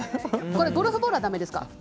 ゴルフボールはだめですか？